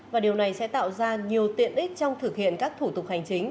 và điều này sẽ tạo ra nhiều tiện ích trong thực hiện các thủ tục hành chính